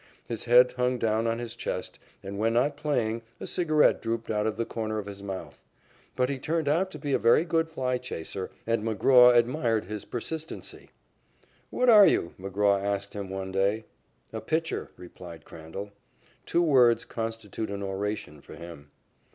His head hung down on his chest, and, when not playing, a cigarette drooped out of the corner of his mouth. But he turned out to be a very good fly chaser, and McGraw admired his persistency. "What are you?" McGraw asked him one day. "A pitcher," replied Crandall. Two words constitute an oration for him.